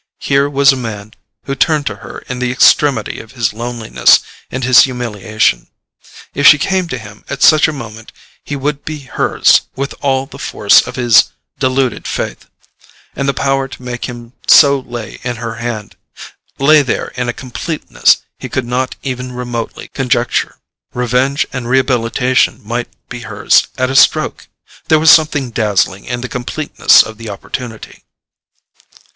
Here was a man who turned to her in the extremity of his loneliness and his humiliation: if she came to him at such a moment he would be hers with all the force of his deluded faith. And the power to make him so lay in her hand—lay there in a completeness he could not even remotely conjecture. Revenge and rehabilitation might be hers at a stroke—there was something dazzling in the completeness of the opportunity.